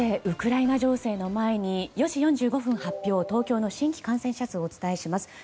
ウクライナ情勢の前に４時４５分発表東京の新規感染者数をお伝えします。